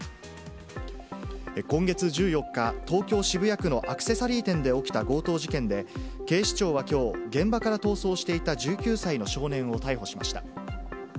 今月１４日、東京・渋谷区のアクセサリー店で起きた強盗事件で、警視庁はきょう、現場から逃走していた１９歳の少年を逮捕しました。